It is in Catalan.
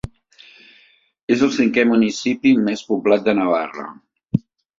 És el cinquè municipi més poblat de Navarra.